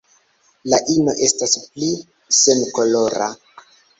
La ino estas pli senkolora.